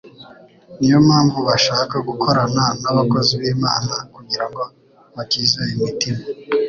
ni yo mpamvu bashaka gukorana n'abakozi b'Imana kugira ngo bakize imitima.